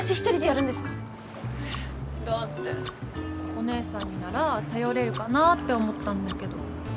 えだってお姉さんになら頼れるかなぁって思ったんだけど。